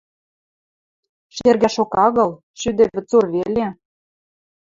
— Шергӓшок агыл, шӱдӹ вӹцур веле...